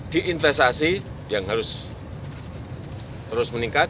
di investasi yang harus terus meningkat